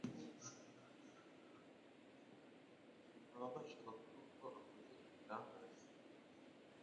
Nta wabashaga kuvuga ko akoze igitangaza;